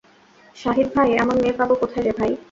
শাহিদ ভাই, এমন মেয়ে পাব কোথায় রে ভাই?